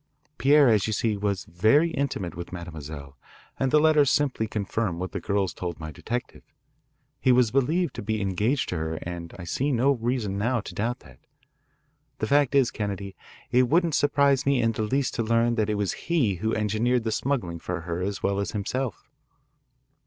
Pierre, as you see, was very intimate with Mademoiselle, and the letters simply confirm what the girls told my detective. He was believed to be engaged to her and I see no reason now to doubt that. The fact is, Kennedy, it wouldn't surprise me in the least to learn that it was he who engineered the smuggling for her as well as himself."